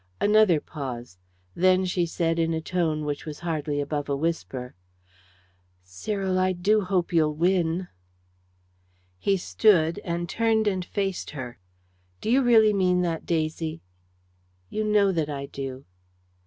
Another pause. Then she said, in a tone which was hardly above a whisper "Cyril, I do hope you'll win." He stood, and turned, and faced her. "Do you really mean that, Daisy?" "You know that I do."